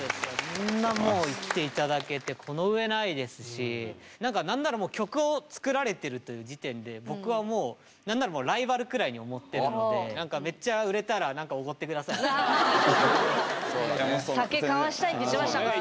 こんなもう生きて頂けてこのうえないですし何ならもう曲を作られてるという時点で僕はもう何ならもうライバルくらいに思ってるんで「酒交わしたい」って言ってましたからね。